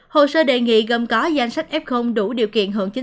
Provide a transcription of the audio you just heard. hồ sơ đề nghị gồm có danh sách f đủ điều kiện hưởng chính